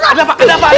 ada apa ada apa